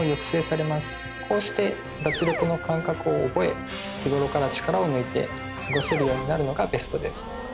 こうして脱力の感覚を覚え日頃から力を抜いて過ごせるようになるのがベストです。